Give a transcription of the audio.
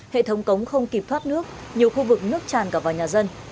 hệ thống cống không kịp thoát nước nhiều khu vực nước tràn cả vào nhà dân